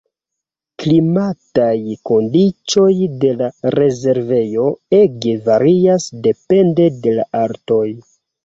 Klimataj kondiĉoj de la rezervejo ege varias depende de la altoj.